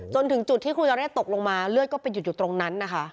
จนถึงจุดที่ครูยเรศตกลงมาเลือดก็ไปหยุดอยู่ตรงนั้นนะคะ